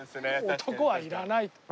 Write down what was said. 男はいらないと。